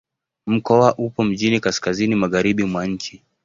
Mkoa upo mjini kaskazini-magharibi mwa nchi.